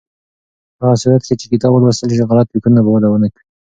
په هغه صورت کې چې کتاب ولوستل شي، غلط فکرونه به وده ونه کړي.